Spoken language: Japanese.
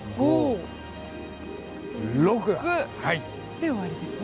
で終わりですね。